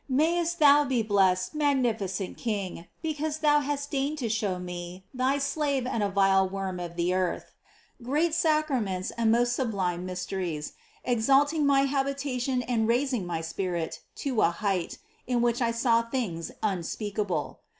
Mayest Thou be blest, magnificent King, because Thou has deigned to show me, thy slave and a vile worm of the earth, great sacraments and most sublime mysteries, exalting my habitation and raising my spirit to a height, in which I saw things unspeakable.